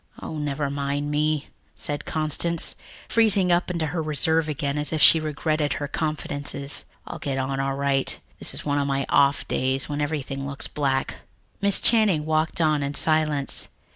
"Oh, never mind me," said Constance, freezing up into her reserve again as if she regretted her confidences. "I'll get along all right. This is one of my off days, when everything looks black." Miss Channing walked on in silence.